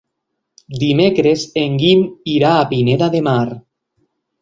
Dimecres en Guim irà a Pineda de Mar.